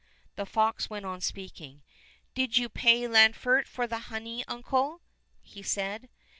The fox went on speaking. "Did you pay Lanfert for the honey, uncle?" he said.